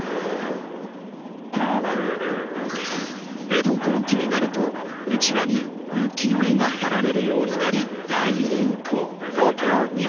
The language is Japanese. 江戸後期になるとうちわに浮世絵が貼られるようになり大流行。